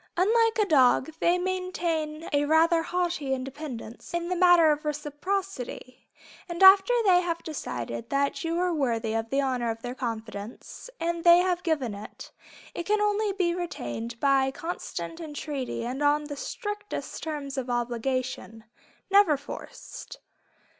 Unlike a dog, they maintain a rather haughty independence in the matter of reciprocity, and after they have decided that you are worthy of the honor of their confidence, and they have given it, it can only be retained by constant entreaty and on the strictest terms of obligation, never forced.